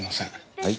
はい。